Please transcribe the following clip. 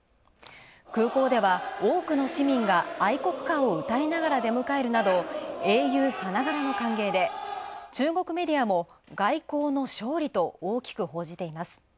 空港では多くの市民が愛国歌を歌いながら出迎えるなど英雄さながらの歓迎で、中国メディアも外交の勝利と大きく報じています。